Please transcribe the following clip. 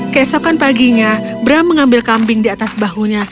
kesokan paginya bram mengambil kambing di atas bahunya